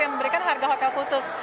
yang memberikan harga hotel khusus